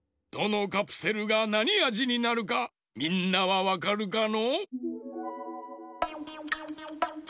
どのカプセルがなにあじになるかみんなはわかるかの？